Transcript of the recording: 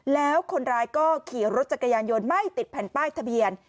แล้วคนร้ายก็ขี่รถจักรยานยนต์ไม่ติดแผ่นป้ายทะเบียน